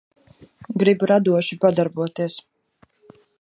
Gribu radoši padarboties.